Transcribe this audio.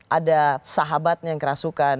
ada sahabatnya yang kerasukan